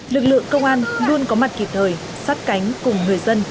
lực lượng công an luôn có mặt kịp thời sát cánh cùng người dân